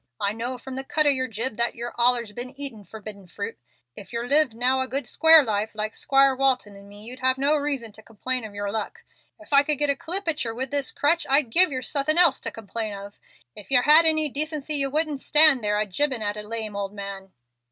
I know from the cut of yer jib that yer've allers been eatin' forbidden fruit. If yer lived now a good square life like 'Squire Walton and me, you'd have no reason to complain of yer luck. If I could get a clip at yer with this crutch I'd give yer suthin' else to complain of. If yer had any decency yer wouldn't stand there a jibin' at a lame old man."